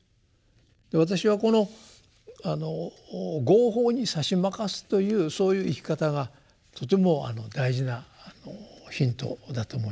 私はこの「業報にさしまかす」というそういう生き方がとても大事なヒントだと思いますね。